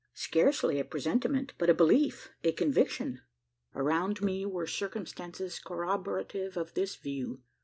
Scarcely a presentiment, but a belief a conviction. Around me were circumstances corroborative of this view.